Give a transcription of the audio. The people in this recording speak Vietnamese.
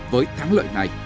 với thắng lợi này